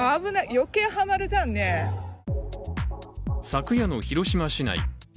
昨夜の広島市内。